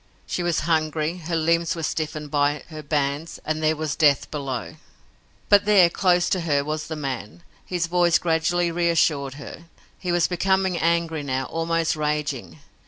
She was hungry, her limbs were stiffened by her bands, and there was death below. But there, close to her, was the Man. His voice gradually reassured her. He was becoming angry now, almost raging.